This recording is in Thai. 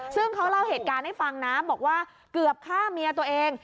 ซึ่งเขาเล่าเหตุการณ์ให้ฟังนะบอกว่าเกือบฆ่าเมียตัวเอง